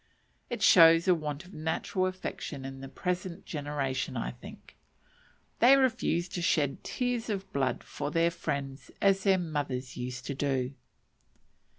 It shows a want of natural affection in the present generation, I think; they refuse to shed tears of blood for their friends as their mothers used to do.